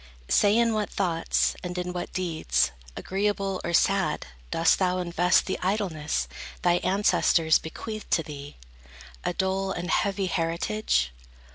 Say in what thoughts, and in what deeds, Agreeable or sad, dost thou invest The idleness thy ancestors bequeathed To thee, a dull and heavy heritage?